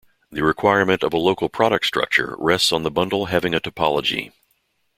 The requirement of a local product structure rests on the bundle having a topology.